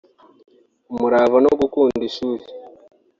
umurava no gukunda ishuri